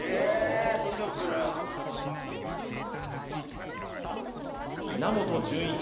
ドキドキする稲本潤一